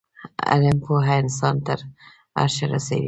علم پوه انسان تر عرشه رسوی